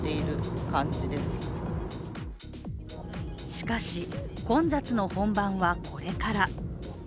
しかし、混雑の本番はこれから。